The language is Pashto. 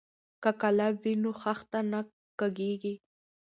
که قالب وي نو خښته نه کږیږي.